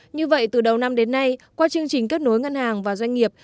như vậy từ đầu năm đến nay qua chương trình kết nối ngân hàng và doanh nghiệp